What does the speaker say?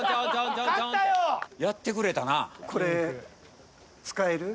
やってくれたな。